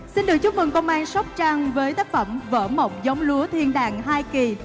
xin được chúc mừng công an sóc trăng với tác phẩm vỡ mộng giống lúa thiên đàng hai kỳ